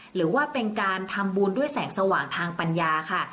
หรือว่าเป็นการทำบุญด้วยแสงสว่างทางปัญญาค่ะ